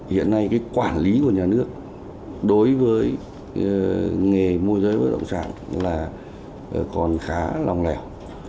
hiện nay cái quản lý của nhà nước đối với nghề môi giới bất động sản là còn khá lòng lẻo